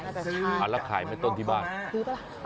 อ๋อแล้วขายไม่ต้นที่บ้านซื้อป่ะ